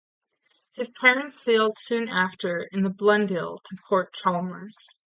His parents sailed soon after in the "Blundell" to Port Chalmers.